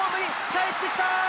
帰ってきた！